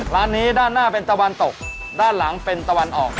ร้านนี้ด้านหน้าเป็นตะวันตกด้านหลังเป็นตะวันออก